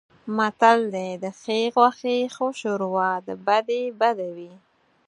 متل دی: د ښې غوښې ښه شوروا د بدې بده وي.